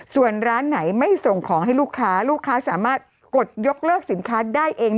ส่วนร้านไหนไม่ส่งของให้ลูกค้าลูกค้าสามารถกดยกเลิกสินค้าได้เอง